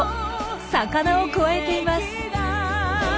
魚をくわえています。